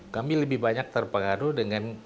kami lebih banyak terpengaruh dengan